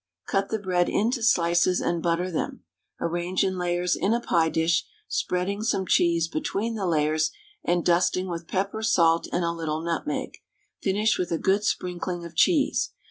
Cut the bread into slices and butter them: arrange in layers in a pie dish, spreading some cheese between the layers, and dusting with pepper, salt, and a little nutmeg. Finish with a good sprinkling of cheese.